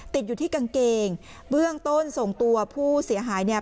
ติดอยู่ที่กางเกงเบื้องต้นส่งตัวผู้เสียหายเนี่ย